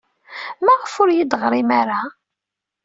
Maɣef ur iyi-d-ɣrin ara?